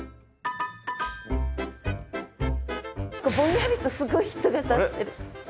ぼんやりとすごい人が立ってる。